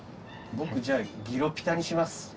僕じゃあギロピタにします。